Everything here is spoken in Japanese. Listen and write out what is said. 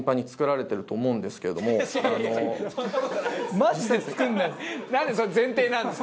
マジで作んないです。